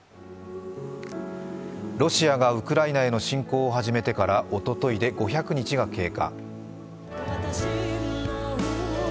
ロシアがウクライナへの侵攻を始めてからおとといで５００日が経過。